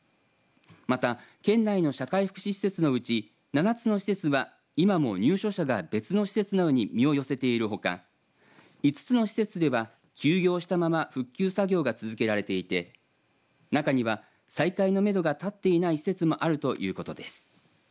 また県内の社会福祉施設のうち７つの施設は今も入所者が別の施設などに身を寄せているほか５つの施設では休業したまま復旧作業が続けられていて中には再開のめどが立っていない施設もあるということです。